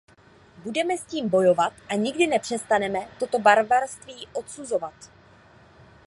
Budeme s tím bojovat a nikdy nepřestaneme toto barbarství odsuzovat.